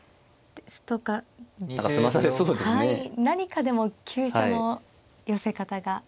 何かでも急所の寄せ方が。